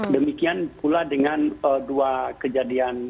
demikian pula dengan dua kejadian